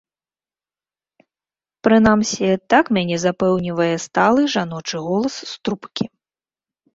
Прынамсі, так мяне запэўнівае сталы жаночы голас з трубкі.